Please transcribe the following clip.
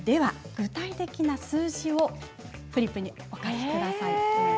具体的な数字をフリップにお書きください。